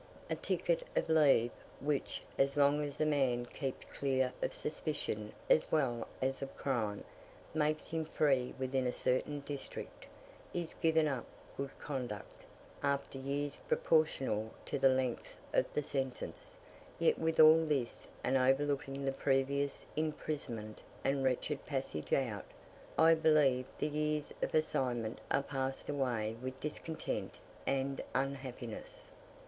A "ticket of leave," which, as long as a man keeps clear of suspicion as well as of crime, makes him free within a certain district, is given upon good conduct, after years proportional to the length of the sentence; yet with all this, and overlooking the previous imprisonment and wretched passage out, I believe the years of assignment are passed away with discontent and unhappiness.